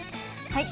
はい。